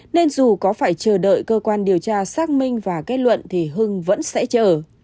nên dù có phải chờ đợi cơ quan điều tra xác minh và kết luận thì hưng vẫn sẽ chở